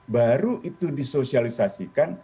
baru itu disosialisasikan